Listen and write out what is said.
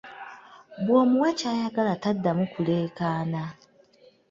"Bw’omuwa ky’ayagala, taddamu kulekaana."